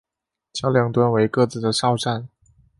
桥两端为各自的哨站。